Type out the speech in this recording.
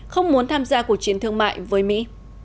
không muốn tham gia cuộc chiến thương mại với mỹ